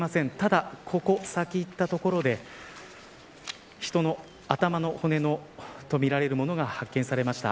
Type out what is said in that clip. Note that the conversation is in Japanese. ただ、この先に行った所で人の頭の骨とみられるものが発見されました。